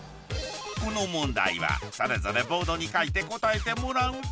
この問題はそれぞれボードに書いて答えてもらうぞ。